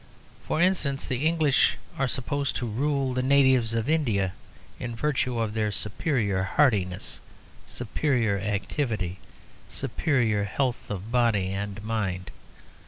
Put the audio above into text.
For instance, the English are supposed to rule the natives of India in virtue of their superior hardiness, superior activity, superior health of body and mind.